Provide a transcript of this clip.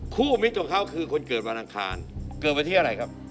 มิตรของเขาคือคนเกิดวันอังคารเกิดวันที่อะไรครับ